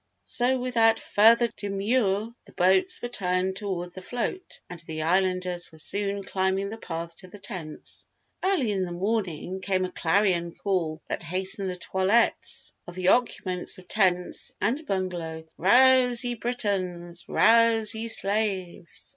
So without further demur the boats were turned toward the float and the Islanders were soon climbing the path to the tents. Early in the morning, came a clarion call that hastened the toilettes of the occupants of tents and bungalow "Rouse ye Britons, Rouse ye Slaves!"